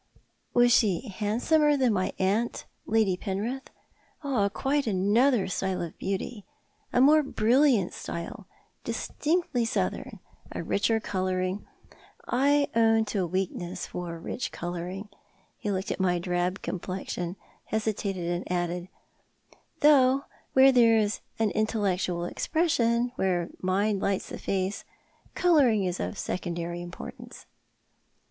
" Was she handsomer than my aunt, Lady Penrith ?"" Quite another style of beaiity — a more brilhant style — distinctly southern — a richer coloiiring. I own to a weakness for rich colourins^" — he looked at my drab complexion, hesitated, and added, " though where there is an intellectual expression, where mind lights the face, colouring is of secondary importance."